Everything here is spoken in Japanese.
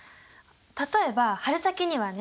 例えば春先にはね。